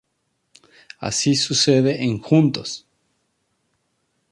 Así sucede en "Juntos!!